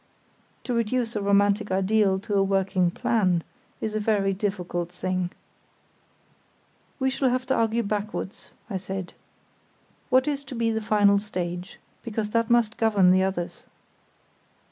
To reduce a romantic ideal to a working plan is a very difficult thing. "We shall have to argue backwards," I said. "What is to be the final stage? Because that must govern the others."